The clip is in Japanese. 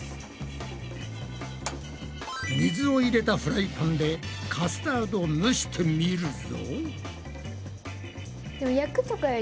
水を入れたフライパンでカスタードを蒸してみるぞ。